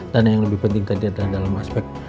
dan yang lebih penting tadi adalah dalam aspek